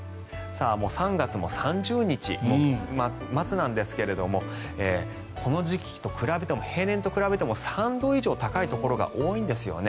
もう３月も３０日末なんですけれど平年のこの時期と比べても３度以上高いところが多いんですよね。